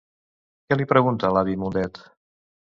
Què li pregunta l'avi Mundet?